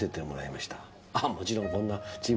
あもちろんこんなちび